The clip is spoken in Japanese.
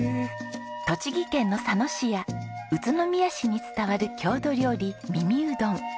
栃木県の佐野市や宇都宮市に伝わる郷土料理耳うどん。